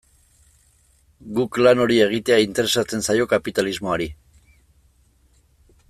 Guk lan hori egitea interesatzen zaio kapitalismoari.